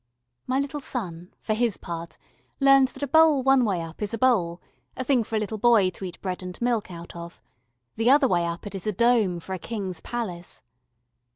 My little son, for his part, learned that a bowl one way up is a bowl, a thing for a little boy to eat bread and milk out of; the other way up it is a dome for a king's palace.